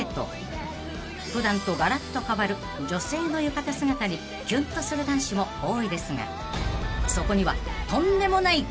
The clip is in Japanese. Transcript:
［普段とガラッと変わる女性の浴衣姿にキュンとする男子も多いですがそこには］